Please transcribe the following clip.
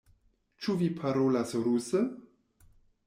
Ĉu vi parolas ruse?